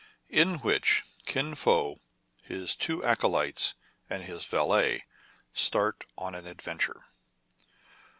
IN WHICH KIN FO, HIS TWO ACOLYTES, AND HIS VALET START ON AN ADVENTURE.